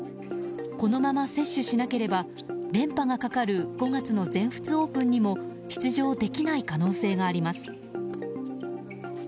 このまま接種しなければ連覇がかかる５月の全仏オープンにも出場できない可能性があります。